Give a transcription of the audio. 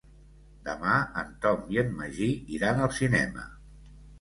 Demà en Tom i en Magí iran al cinema.